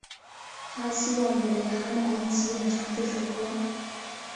她希望与蕾哈娜一起演唱这首歌。